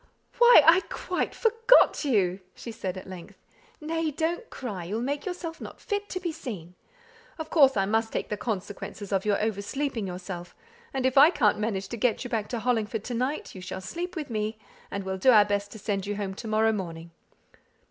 "Why, I quite forgot you!" she said at length. "Nay, don't cry; you'll make yourself not fit to be seen. Of course I must take the consequences of your over sleeping yourself, and if I can't manage to get you back to Hollingford to night, you shall sleep with me, and we'll do our best to send you home to morrow morning."